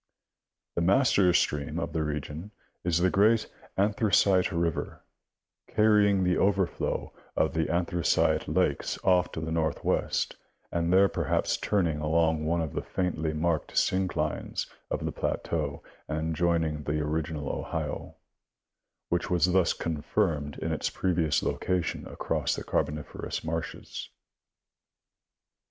The master stream of the region is the great Anthracite river, carrying the overflow of the Anthracite lakes off to the northwest and there perhaps turning along one of the faintly marked synclines of the plateau and joining the original Ohio, which was thus confirmed in its previous location across the Cai'boniferous marshes.